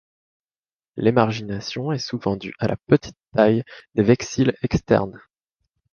L'émargination est souvent due à la petite taille des vexilles externes.